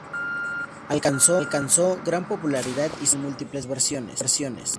Alcanzó gran popularidad y se conocen múltiples versiones.